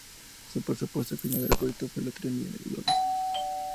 El presupuesto final del proyecto fue de tres millones de dólares.